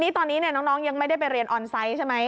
ตอนนี้น้องยังไม่ได้ไปเรียนออนไซต์ใช่ไหม